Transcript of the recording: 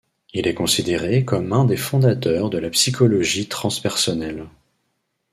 Il est considéré comme un des fondateurs de la psychologie transpersonnelle.